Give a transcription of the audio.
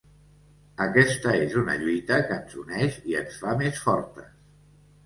Aquesta és una lluita que ens uneix i ens fa més fortes.